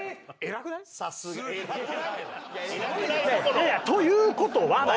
いやいやという事はだ。